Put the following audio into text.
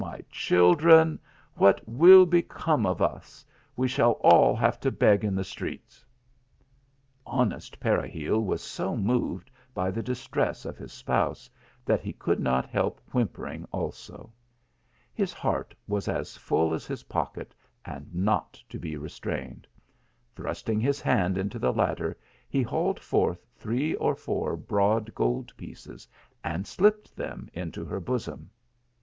my children ! what will become of us ; we shall all have to beg in the streets !" Honest Peregil was so moved by the distress of his spouse, that he could not help whimpering also. His heart was as full as his pocket, and not to be restrained. Thrusting his hand into the latter he hauled forth three or four broad gold pieces and slipped them into her bosom.